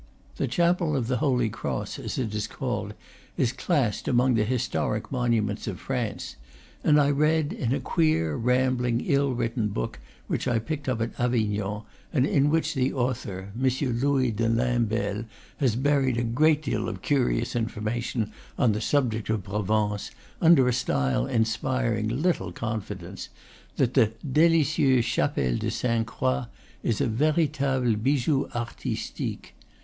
The chapel of the Holy Cross, as it is called, is classed among the historic monuments of France; and I read in a queer, rambling, ill written book which I picked up at Avignon, and in which the author, M. Louis de Lainbel, has buried a great deal of curious information on the subject of Provence, under a style inspiring little confidence, that the "delicieuse chapelle de Sainte Croix" is a "veritable bijou artistique."